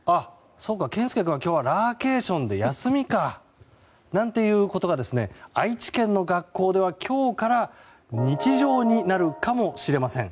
そうか、健介君は今日ラーケーションで休みか。なんていうことが愛知県の学校では今日から日常になるかもしれません。